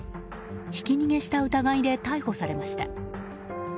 ひき逃げした疑いで逮捕されました。